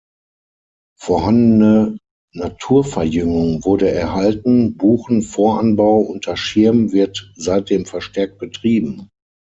Vorhandene Naturverjüngung wurde erhalten; Buchen-Voranbau unter Schirm wird seitdem verstärkt betrieben.